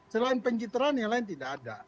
selain pencitraan yang lain tidak ada